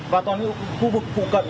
và toàn khu vực phụ cận